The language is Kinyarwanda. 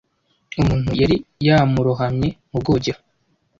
Umuntu yari yamurohamye mu bwogero.